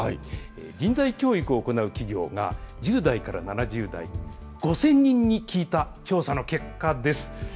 人材教育を行う企業が１０代から７０代、５０００人に聞いた調査の結果です。